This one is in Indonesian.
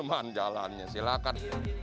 itu memang jalan nya silahkan